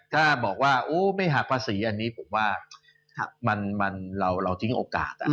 ถ้าบอกว่าไม่หักภาษีอันนี้ผมว่าเราทิ้งโอกาส